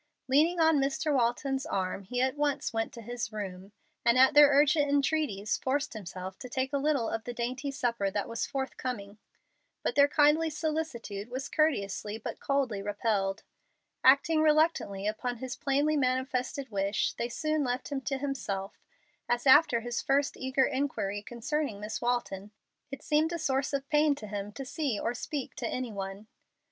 Leaning on Mr. Walton's arm he at once went to his room, and at their urgent entreaties forced himself to take a little of the dainty supper that was forthcoming. But their kindly solicitude was courteously but coldly repelled. Acting reluctantly upon his plainly manifested wish, they soon left him to himself, as after his first eager inquiry concerning Miss Walton it seemed a source of pain to him to see or speak to any one.